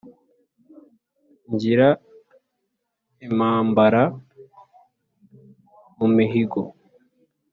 Ngira impambara mu mihigo